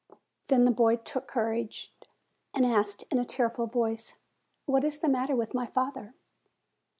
Then the boy took courage, and asked in a tearful voice, "What is the matter with my father?"